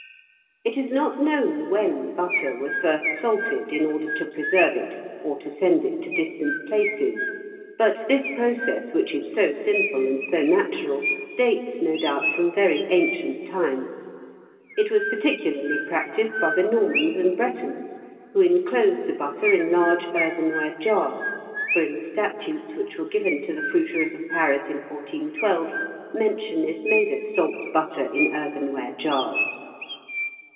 ] It is not known when butter was first salted in order to preserve it or to send it to distant places; but this process, which is so simple and so natural, dates, no doubt, from very ancient times; it was particularly practised by the Normans and Bretons, who enclosed the butter in large earthenware jars, for in the statutes which were given to the fruiterers of Paris in 1412, mention is made of salt butter in earthenware jars.